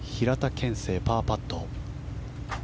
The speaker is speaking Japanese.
憲聖、パーパット。